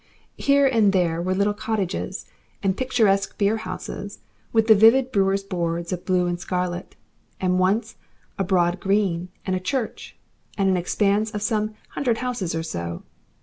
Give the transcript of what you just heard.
Here and there were little cottages, and picturesque beer houses with the vivid brewers' boards of blue and scarlet, and once a broad green and a church, and an expanse of some hundred houses or so.